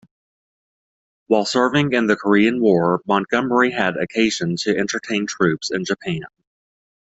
While serving in the Korean War, Montgomery had occasion to entertain troops in Japan.